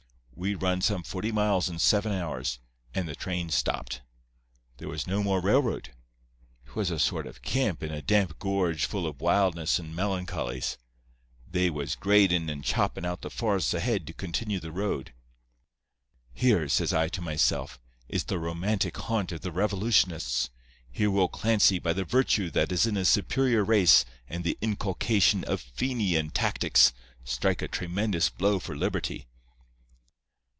We run some forty miles in seven hours, and the train stopped. There was no more railroad. 'Twas a sort of camp in a damp gorge full of wildness and melancholies. They was gradin' and choppin' out the forests ahead to continue the road. 'Here,' says I to myself, 'is the romantic haunt of the revolutionists. Here will Clancy, by the virtue that is in a superior race and the inculcation of Fenian tactics, strike a tremendous blow for liberty.